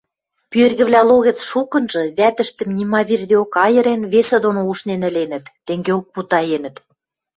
Пӱэргӹвлӓ логӹц шукынжы, вӓтӹштӹм нима вирдеок айырен, весӹ доно ушнен ӹленӹт, тенгеок путаенӹт.